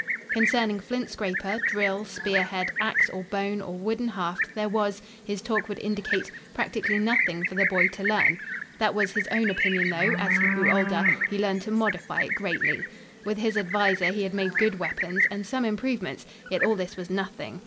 Concerning flint scraper, drill, spearhead, ax or bone or wooden haft, there was, his talk would indicate, practically nothing for the boy to learn. That was his own opinion, though, as he grew older, he learned to modify it greatly. With his adviser he had made good weapons and some improvements; yet all this was nothing.